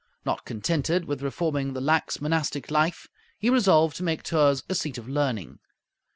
Not contented with reforming the lax monastic life, he resolved to make Tours a seat of learning.